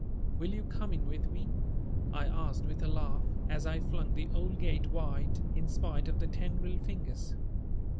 "Will you come in with me?" I asked with a laugh, as I flung the old gate wide in spite of the tendril fingers.